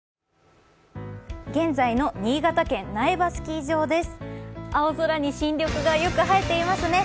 現在の新潟県苗場スキー場です。